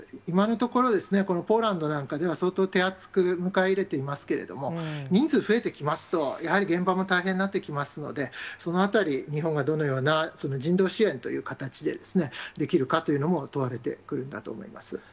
今のところ、ポーランドなんかでは、相当手厚く迎え入れていますけれども、人数増えてきますと、やはり現場も大変になってきますので、そのあたり、日本がどのような人道支援という形で、できるかというのも、問われてくるんだと思います。